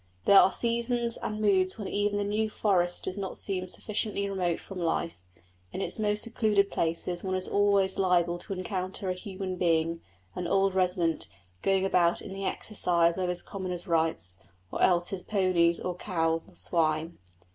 There are seasons and moods when even the New Forest does not seem sufficiently remote from life: in its most secluded places one is always liable to encounter a human being, an old resident, going about in the exercise of his commoner's rights; or else his ponies or cows or swine.